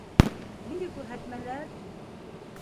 — Ниндәй күрһәтмәләр?